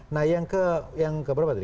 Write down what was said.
nah yang ke berapa tadi